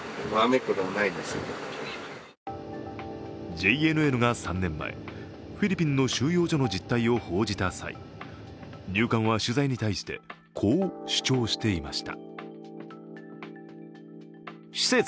ＪＮＮが３年前、フィリピンの収容所の実態を報じた際入管は取材に対してこう主張していました。